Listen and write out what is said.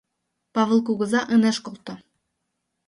Павыл кугыза ынеж колто.